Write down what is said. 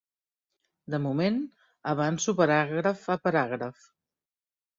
De moment, avanço paràgraf a paràgraf.